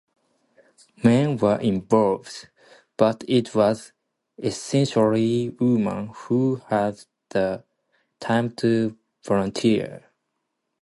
Men were involved, but it was essentially women who had the time to volunteer.